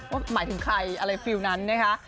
หมายถึงใครอะไรฟิลล์นั้นนะคะ